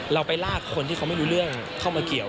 เราไปลากคนที่เขาไม่รู้เรื่องเข้ามาเกี่ยว